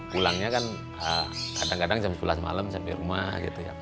pulangnya kan kadang kadang jam sebelas malam sampai rumah